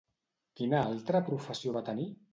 Quina altra professió va tenir?